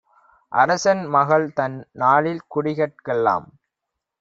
அரசன்மகள் தன்நாளில் குடிகட் கெல்லாம்